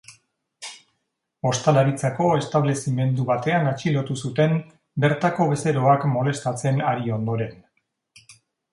Ostalaritzako establezimendu batean atxilotu zuten, bertako bezeroak molestatzen ari ondoren.